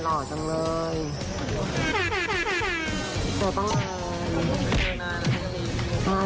นี่นะคะนี่ค่ะ